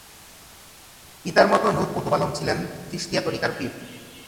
পিতার মত নূর কুতুব আলম ছিলেন চিশতিয়া তরিকার পীর।